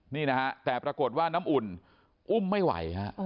นี่นะแต่ปรากฏว่าน้ำอุ่นบ้ระอุ่มไม่ไหว